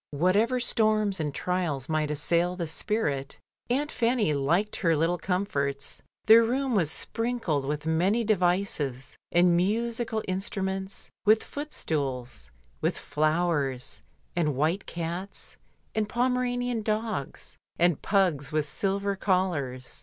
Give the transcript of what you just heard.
Whatever storms and trials might assail the spirit, Aimt Fanny liked her little comforts. The room was sprinkled with many devices, and musical instru ments, with footstools, with flowers, and white cats, and Pomeranian dogs, and pugs with silver collars.